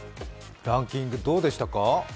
ランキング、どうでしたか？